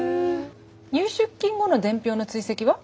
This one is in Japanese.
入出金後の伝票の追跡は？